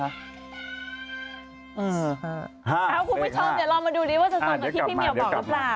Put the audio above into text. คุณผู้ชมเดี๋ยวลองมาดูดิว่าจะตรงกับที่พี่เหี่ยวบอกหรือเปล่า